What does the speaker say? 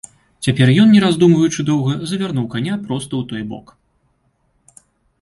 Цяпер ён, не раздумваючы доўга, завярнуў каня проста ў той бок.